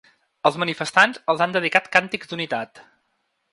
Els manifestants els han dedicat càntics d’unitat.